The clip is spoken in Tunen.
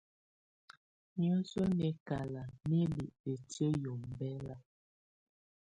Niǝ́suǝ́ nɛ́kalá nɛ́ lɛ ǝ́tiǝ́ yɛ́ ɔmbɛla.